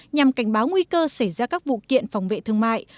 nhằm cảnh báo nguy cơ xảy ra các vụ kiện phòng vệ thương mại